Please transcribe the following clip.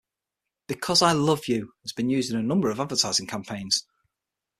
"Because I Love You" has been used in a number of advertising campaigns.